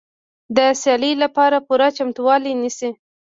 د سیالۍ لپاره پوره چمتووالی نیسي.